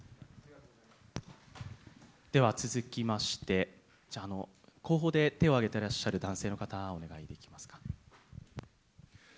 では続きまして、後方で手を挙げてらっしゃる男性の方、お願いできますか。